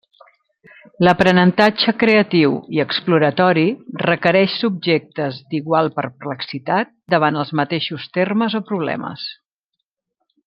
L'aprenentatge creatiu i exploratori requereix subjectes d'igual perplexitat davant els mateixos termes o problemes.